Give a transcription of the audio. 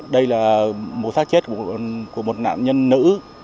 đây là một sát chết của một nạn nhân nữ